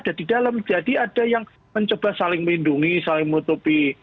ada di dalam jadi ada yang mencoba saling melindungi saling menutupi